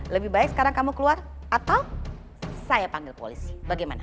lebih baik sekarang kamu keluar atau saya panggil polisi bagaimana